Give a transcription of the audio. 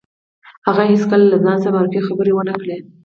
هغه هېڅکله له ځان سره منفي خبرې ونه کړې.